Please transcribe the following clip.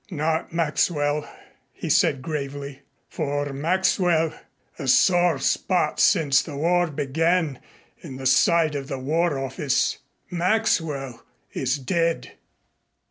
"Not Maxwell," he said gravely, "for Maxwell a sore spot since the war began in the side of the War Office Maxwell is dead."